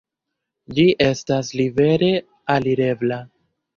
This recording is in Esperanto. Ĝi estas libere alirebla.